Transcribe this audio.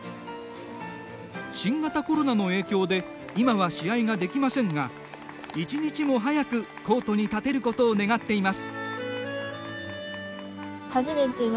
新型コロナの影響で今は試合ができませんが一日も早くコートに立てることを願っています。